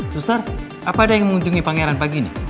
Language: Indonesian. sutar apa ada yang mengunjungi pangeran pagi ini